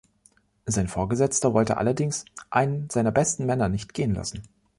Sein Vorgesetzter wollte allerdings einen seiner besten Männer nicht gehen lassen.